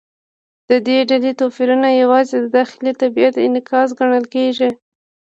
د دې ډلې توپیرونه یوازې د داخلي طبیعت انعکاس ګڼل کېږي.